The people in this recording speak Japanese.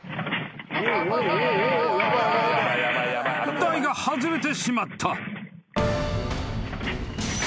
［台が外れてしまった］